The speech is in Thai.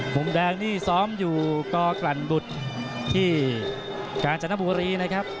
พร้อมแดงนี่ซ้อมอยู่กรรรบุทธ์ที่กาญจนบุรีนะครับ